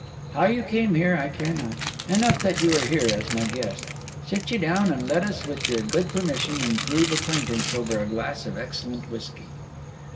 How you came here, I care not: enough that you are here—as my guest. Sit ye down; and let us, with your good permission, improve acquaintance over a glass of excellent whisky.